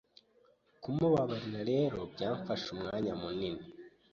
Kumubabarira rero byamfashe umwanya munini